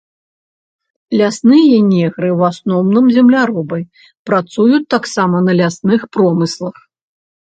Лясныя негры ў асноўным земляробы, працуюць таксама на лясных промыслах.